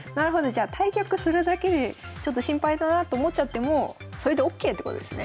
じゃあ対局するだけでちょっと心配だなって思っちゃってもそれでＯＫってことですね。